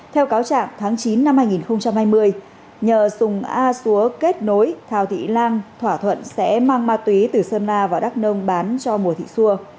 theo cáo trạng tháng chín năm hai nghìn hai mươi nhờ sùng a xúa kết nối thảo thị lan thỏa thuận sẽ mang ma túy từ sơn la vào đắk nông bán cho mùa thị xua